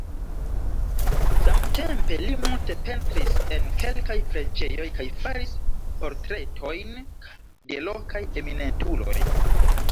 Samtempe li multe pentris en kelkaj preĝejoj kaj faris portretojn de lokaj eminentuloj.